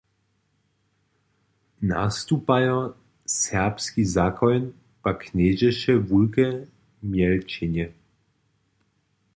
Nastupajo serbski zakoń pak knježeše wulke mjelčenje.